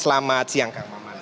selamat siang kang maman